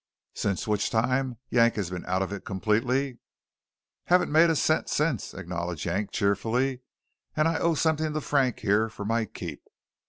"Since which time Yank has been out of it completely?" "Haven't made a cent since," acknowledged Yank cheerfully, "and I owe something to Frank, here, for my keep.